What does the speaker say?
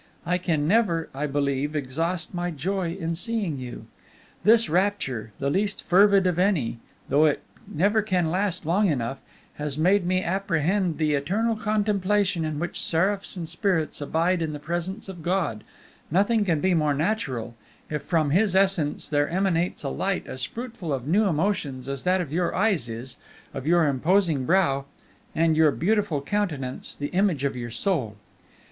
"I can never, I believe, exhaust my joy in seeing you. This rapture, the least fervid of any, though it never can last long enough, has made me apprehend the eternal contemplation in which seraphs and spirits abide in the presence of God; nothing can be more natural, if from His essence there emanates a light as fruitful of new emotions as that of your eyes is, of your imposing brow, and your beautiful countenance the image of your soul.